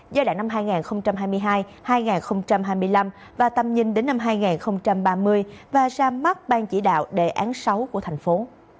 giai đoạn năm hai nghìn hai mươi hai hai nghìn hai mươi năm và tầm nhìn đến năm hai nghìn ba mươi và ra mắt ban chỉ đạo đề án sáu của thành phố